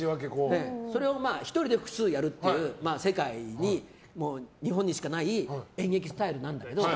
それを１人で複数やるという日本にしかない演劇スタイルなんだけど。